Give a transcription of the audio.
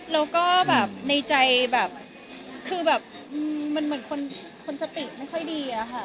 แล้วก็แบบในใจแบบคือแบบมันเหมือนคนสติไม่ค่อยดีอะค่ะ